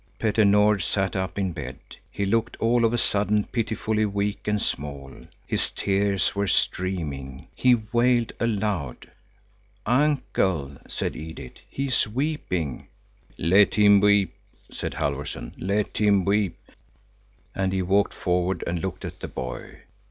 Petter Nord sat up in bed. He looked all of a sudden pitifully weak and small. His tears were streaming. He wailed aloud. "Uncle," said Edith, "he is weeping." "Let him weep," said Halfvorson, "let him weep!" And he walked forward and looked at the boy.